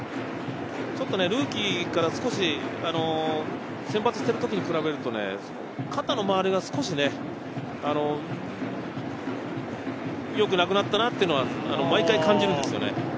ルーキーから少し、先発している時に比べると、肩の周りが少し良くなくなったなって毎回感じるんですよ。